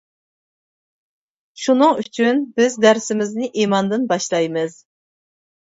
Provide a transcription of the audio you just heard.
شۇنىڭ ئۈچۈن بىز دەرسىمىزنى ئىماندىن باشلايمىز.